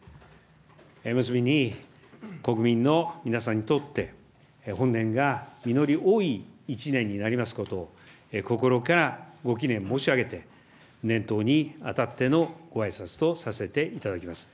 結びに、国民の皆さんにとって、本年が実り多い１年になりますことを、心からご祈念申し上げて、年頭にあたってのごあいさつとさせていただきます。